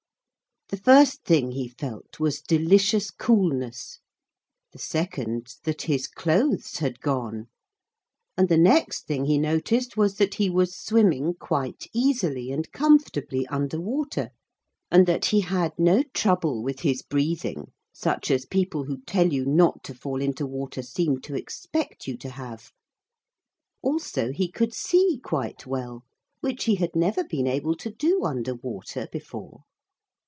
The first thing he felt was delicious coolness, the second that his clothes had gone, and the next thing he noticed was that he was swimming quite easily and comfortably under water, and that he had no trouble with his breathing, such as people who tell you not to fall into water seem to expect you to have. Also he could see quite well, which he had never been able to do under water before.